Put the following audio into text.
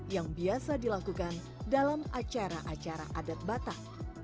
yang biasa dilakukan dalam acara acara adat batak